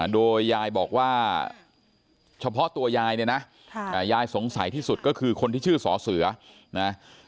โดยยายบอกว่าเฉพาะตัวยายเนี่ยนะยายสงสัยที่สุดก็คือคนที่ชื่อสอเสือนะ